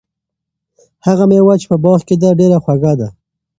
هغه مېوه چې په باغ کې ده، ډېره خوږه ده.